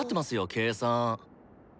計算？